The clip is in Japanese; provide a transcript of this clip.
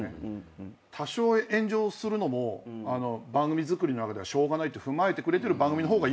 多少炎上するのも番組作りの中ではしょうがないと踏まえてくれてる番組の方がいい表現できてる。